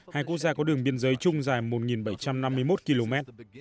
hai quốc gia có đường biên giới chung dài một bảy trăm năm mươi một km